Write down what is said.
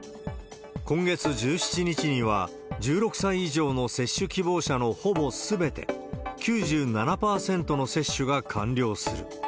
今月１７日には、１６歳以上の接種希望者のほぼすべて、９７％の接種が完了する。